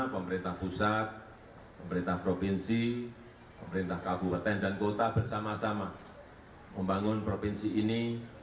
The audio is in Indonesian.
pemerintah pusat pemerintah provinsi pemerintah kabupaten dan kota bersama sama membangun provinsi ini